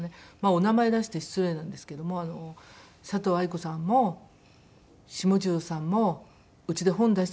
お名前出して失礼なんですけども「佐藤愛子さんも下重さんもうちで本出してたのよ」と。